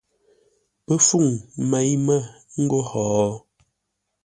Pə́ fûŋ mêi mə́ ńgó hó?